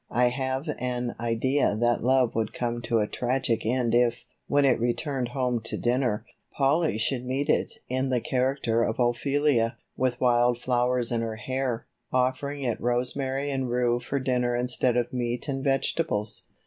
I have an idea that love would come to a tragic end if, when it returned home to dinner, Polly should meet it in the character of Ophelia, with wild flowers in her hair, offering it rosemary and rue for dinner instead of meat and vegetables."